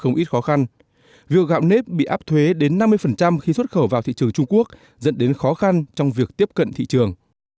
không ít khó khăn việc gạo nếp bị áp thuế đến năm mươi khi xuất khẩu vào thị trường trung quốc dẫn đến khó khăn trong việc tiếp cận thị trường